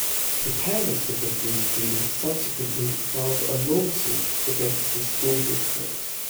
The parents of the three students subsequently filed a lawsuit against the school district.